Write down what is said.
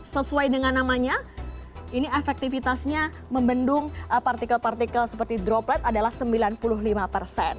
sesuai dengan namanya ini efektivitasnya membendung partikel partikel seperti droplet adalah sembilan puluh lima persen